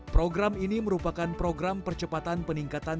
program ini merupakan program percepatan peningkatan